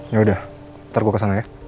yaudah ntar gue kesana ya